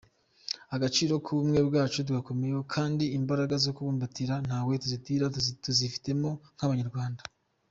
Agaciro k’ubumwe bwacu tugakomeyeho kandi imbaraga zo kububumbatira ntawe tuzitira tuzifitemo nk’abanyarwanda.